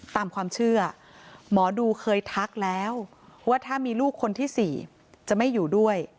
ตามความเชื่อหมอดูเคยทักแล้วว่าถ้ามีลูกคนที่๔จะไม่อยู่ด้วย